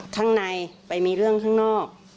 ข้างในไปมีเรื่องข้างนอก